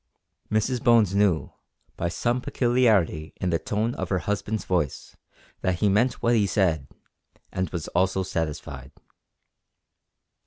Mrs Bones knew, by some peculiarity in the tone of her husband's voice, that he meant what he said, and was also satisfied.